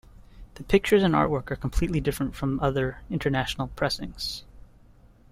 The pictures and artwork are completely different from other international pressings.